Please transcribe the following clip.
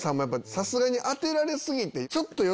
さすがに当てられ過ぎて。